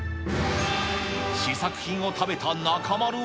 試作品を食べた中丸は。